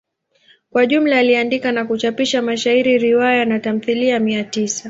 Kwa jumla aliandika na kuchapisha mashairi, riwaya na tamthilia mia tisa.